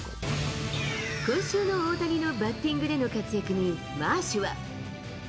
今週の大谷のバッティングでの活躍にマーシュは。